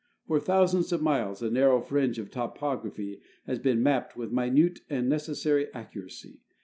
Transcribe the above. For thou sands of miles a narrow fringe of topograph}^ has been mapped with minute and necessar}' accuracy.